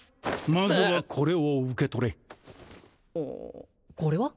まずはこれを受け取れこれは？